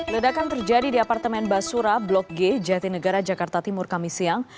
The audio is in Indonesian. ledakan terjadi di apartemen basura blok g jatinegara jakarta timur kami siang